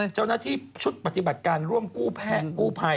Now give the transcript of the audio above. เจ้าหน้าที่ชุดปฏิบัติการร่วมกู้แพทย์ผ่ายแพทย์